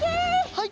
はい！